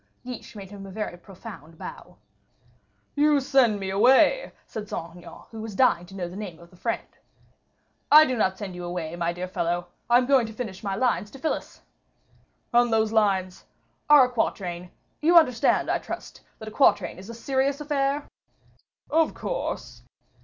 Guiche made him a very profound bow. "You send me away," said Saint Aignan, who was dying to know the name of the friend. "I do not send you away, my dear fellow. I am going to finish my lines to Phyllis." "And those lines " "Are a quatrain. You understand, I trust, that a quatrain is a serious affair?" "Of course."